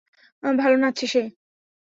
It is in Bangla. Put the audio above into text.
ভালো নাচছে সে।